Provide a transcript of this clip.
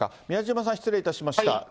宮嶋さん、失礼いたしました。